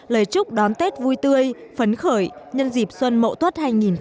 lời chúc đón tết vui tươi phấn khởi nhân dịp xuân mộ tuất hai nghìn một mươi tám